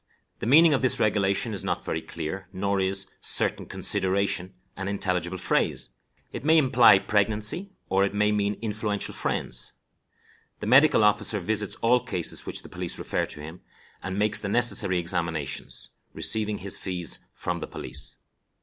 The meaning of this regulation is not very clear, nor is "certain consideration" an intelligible phrase; it may imply pregnancy, or it may mean influential friends. The medical officer visits all cases which the police refer to him, and makes the necessary examinations, receiving his fees from the police.